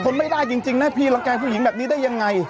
ไม่ได้จริงนะพี่รังแก่ผู้หญิงแบบนี้ได้ยังไง